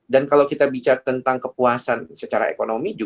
dan kalau kita bicara tentang kepuasan secara ekonomi